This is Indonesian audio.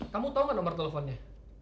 kamu tau gak nomor teleponnya